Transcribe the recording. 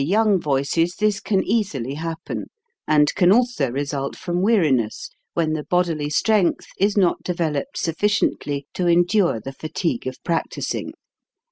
162 HOW TO SING young voices this can easily happen, and can also result from weariness, when the bodily strength is not developed sufficiently to endure the fatigue of practising.